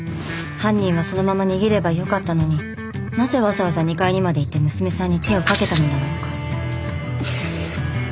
犯人はそのまま逃げればよかったのになぜわざわざ２階にまで行って娘さんに手をかけたのだろうか。